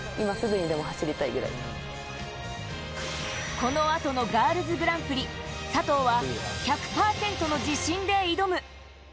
この後のガールズグランプリ、佐藤は１００％の自信で挑む。